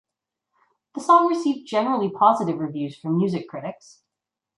The song received generally positive reviews from music critics.